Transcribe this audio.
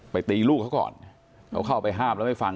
ตีลูกเขาก่อนเขาเข้าไปห้ามแล้วไม่ฟัง